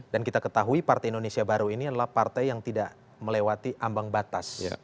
dan kita ketahui partai indonesia baru ini adalah partai yang tidak melewati ambang batas